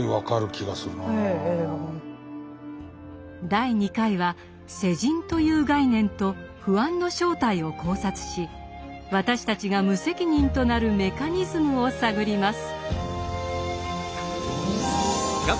第２回は「世人」という概念と「不安」の正体を考察し私たちが無責任となるメカニズムを探ります。